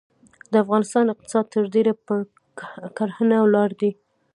د افغانستان اقتصاد ترډیره پرکرهڼه ولاړ دی.